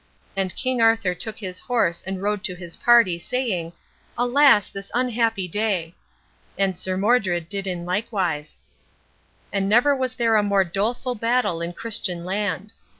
And King Arthur took his horse, and rode to his party, saying, "Alas, this unhappy day!" And Sir Modred did in like wise. And never was there a more doleful battle in Christian land.